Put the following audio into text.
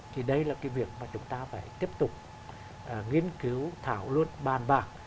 thì đây là cái việc mà chúng ta phải tiếp tục nghiên cứu thảo luận bàn bạc